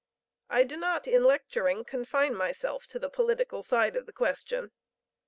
I do not in lecturing confine myself to the political side of the question.